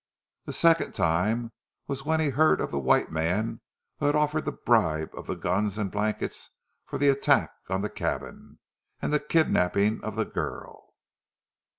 The second time was when he heard of the white man who had offered the bribe of the guns and blankets for the attack on the cabin, and the kidnapping of the girl.